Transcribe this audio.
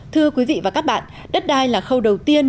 thưa quý vị và các bạn đất đai là khâu đầu tiên